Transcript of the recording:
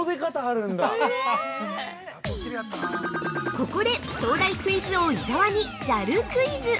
◆ここで、東大クイズ王・伊沢にＪＡＬクイズ！